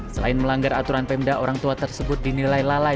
selain melanggar aturan pemda orang tua tersebut dinilai lalai